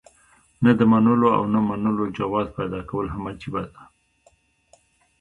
نو د منلو او نۀ منلو جواز پېدا کول هم عجيبه ده